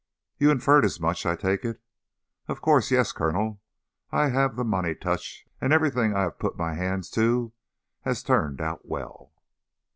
You inferred as much, I take it. Of course! Yes, Colonel, I have the money touch and everything I have put my hand to has turned out well."